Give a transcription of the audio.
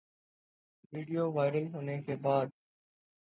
video viral ہونے کے بعد